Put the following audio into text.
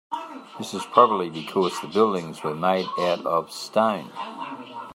This is probably because the buildings were made out of stone.